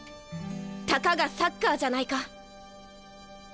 たかがサッカーじゃないか。